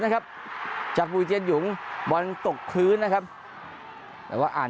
นะครับจากบุรีเจียนหยุงบอลตกพื้นนะครับแต่ว่าอ่าน